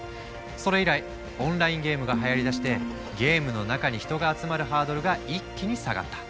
それ以来オンラインゲームがはやりだしてゲームの中に人が集まるハードルが一気に下がった。